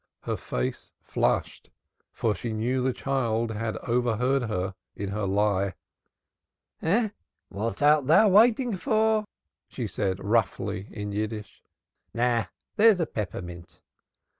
Her face flushed for she knew the child had overheard her in a lie. "What art thou waiting about for?" she said roughly in Yiddish. "Na! there's a peppermint."